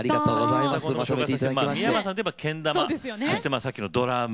三山さんといえばけん玉そしてさっきのドラム。